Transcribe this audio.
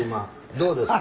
どうですか？